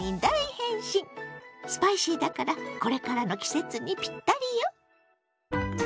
スパイシーだからこれからの季節にピッタリよ！